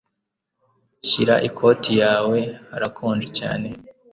Shyira ikoti yawe. Harakonje hanze.